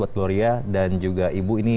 gloria dan juga ibu ini